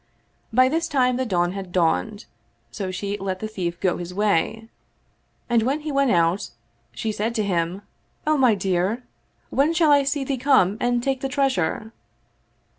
By this time, the dawn had dawned ; so she let the thief go his way, and when he went out, she said to him, " O my dear, when shall I see thee come and take the treasure?"